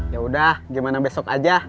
yaudah gimana besok aja